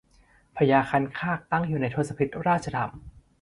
พญาคันคากตั้งอยู่ในทศพิธราชธรรม